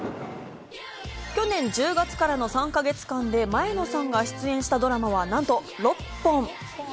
去年１０月からの３か月間で前野さんが出演したドラマはなんと６本。